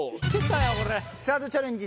サードチャレンジ